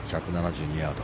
１７２ヤード。